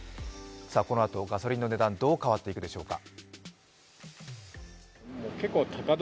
このあと、ガソリンの値段どう変わっていくでしょうか。